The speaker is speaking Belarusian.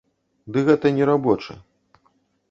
Ды гэта не рабочы.